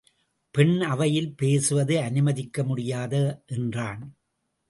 பெண் அவையில் பேசுவது அனுமதிக்க முடியாது என்றான்.